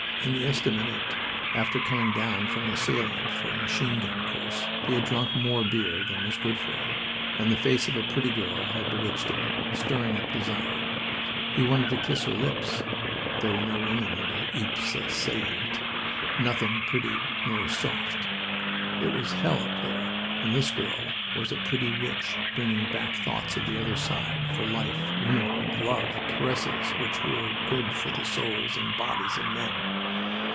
In the estaminet, after coming down from the salient for a machine gun course, he had drunk more beer than was good for him, and the face of a pretty girl had bewitched him, stirring up desire. He wanted to kiss her lips... There were no women in the Ypres salient. Nothing pretty or soft. It was hell up there, and this girl was a pretty witch, bringing back thoughts of the other side for life, womanhood, love, caresses which were good for the souls and bodies of men.